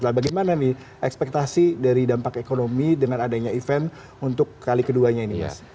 nah bagaimana nih ekspektasi dari dampak ekonomi dengan adanya event untuk kali keduanya ini mas